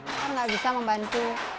kan gak bisa membantu